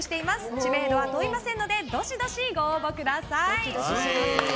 知名度は問いませんのでどしどしご応募ください。